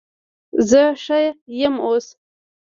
زه ښه یم اوس